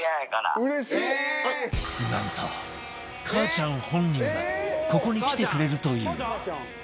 なんとかあちゃん本人がここに来てくれるという